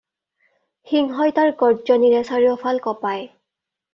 সিংহই তাৰ গৰ্জ্জনিৰে চাৰিওফাল কঁপায়